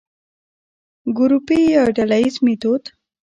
ګروپي يا ډلييز ميتود: